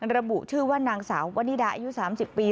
ระบุชื่อว่านางสาววนิดาอายุ๓๐ปี